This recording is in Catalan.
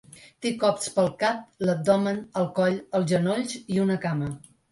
Té colps pel cap, l’abdomen, el coll, els genolls i una cama.